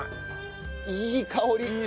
いい香り。